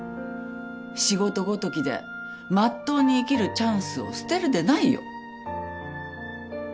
仕事ごときでまっとうに生きるチャンスを捨てるでないよ。